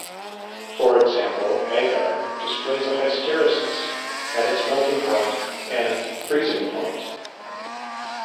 For example, agar displays a hysteresis in its melting point and freezing point.